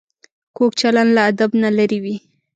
کوږ چلند له ادب نه لرې وي